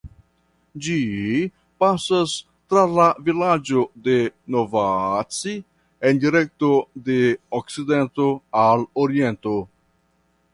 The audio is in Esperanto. Ĝi pasas tra la vilaĝo de Novaci en direkto de okcidento al oriento.